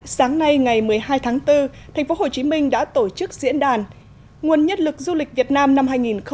sáng nay ngày một mươi hai tháng bốn tp hcm đã tổ chức diễn đàn nguồn nhất lực du lịch việt nam năm hai nghìn một mươi chín